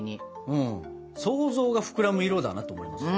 うん想像が膨らむ色だなと思いますね。